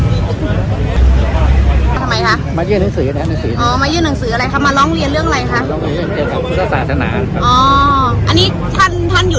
แล้วผมก็ไม่รู้ว่าท่านจะนั่น